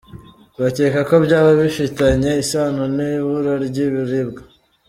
Bakeka ko byaba bifitanye isano n’ibura ry’ibiribwa.